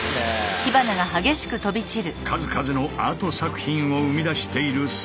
数々のアート作品を生み出している千賀。